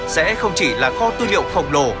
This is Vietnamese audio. sẽ không chỉ là kho tuy liệu phổng lồ